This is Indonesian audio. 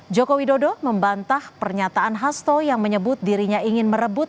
joko widodo membantah pernyataan hasto yang menyebut dirinya ingin merebut